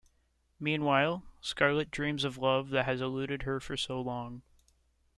Meanwhile, Scarlett dreams of love that has eluded her for so long.